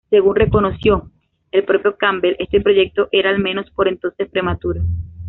Según reconoció el propio Campbell, este proyecto era al menos por entonces prematuro.